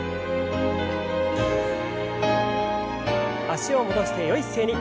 脚を戻してよい姿勢に。